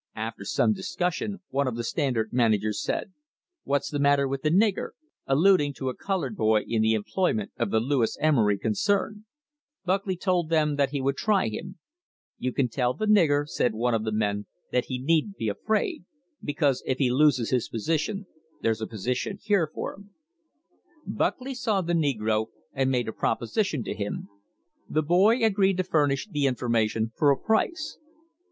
After some discussion, one of the Standard man agers said: "What's the matter with the nigger?" alluding to THE HISTORY OF THE STANDARD OIL COMPANY a coloured boy in the employment of the Lewis Emery con cern. Buckley told them that he would try him. "You can tell the nigger," said one of the men, "that he needn't be afraid, because if he loses his position there's a position here for him." Buckley saw the negro and made a proposition to him. The boy agreed to furnish the information for a price.